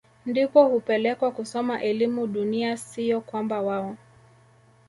ndipo hupelekwa kusoma elimu dunia siyo kwamba wao